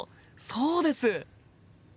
そうです！